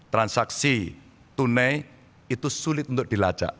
transaksi tunai itu sulit untuk dilacak